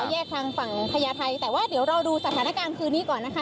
แยกทางฝั่งพญาไทยแต่ว่าเดี๋ยวเราดูสถานการณ์คืนนี้ก่อนนะคะ